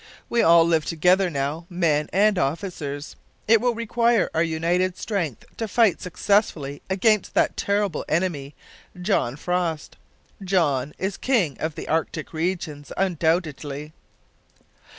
We all live together now, men and officers. It will require our united strength to fight successfully against that terrible enemy, John Frost. John is king of the Arctic regions, undoubtedly!